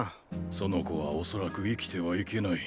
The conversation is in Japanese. その子は恐らく生きてはいけない。